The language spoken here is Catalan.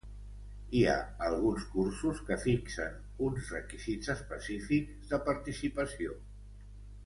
Hi ha alguns cursos que fixen uns requisits específics de participació.